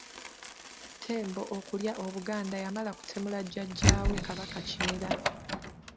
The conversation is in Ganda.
Ttembo okulya Obuganda yamala kutemula Jjajjaawe Kabaka Kimera.